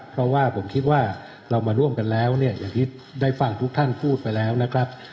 เพราะว่าผมคิดว่าเรามาร่วมกันแล้วเนี่ยอย่างที่ได้ฟังทุกท่านพูดไปแล้วนะครับ